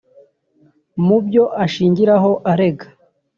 Mu byo ashingiraho arega